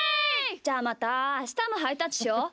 じゃあ、またあしたもハイタッチしよう。